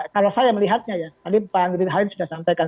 kalau saya melihatnya ya tadi pak angin halim sudah sampaikan